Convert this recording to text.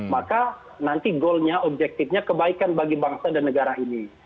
maka nanti goalnya objektifnya kebaikan bagi bangsa dan negara ini